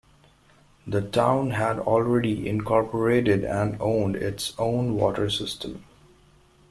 The town had already incorporated and owned its own water system.